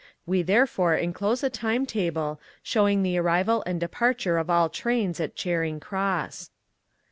We therefore enclose a timetable showing the arrival and departure of all trains at Charing Cross.